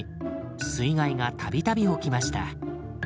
水害が度々起きました。